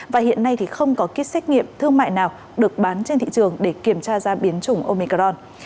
và hiện nay thì không có kit xét nghiệm thương mại nào được bán trên thị trường để kiểm tra ra biến chủng omecron